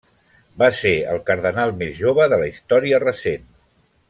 Va ser el cardenal més jove de la història recent.